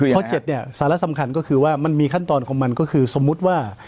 ข้อ๗เนี่ยสาระสำคัญก็คือว่ามันมีขั้นตอนของมันก็คือสมมุติว่า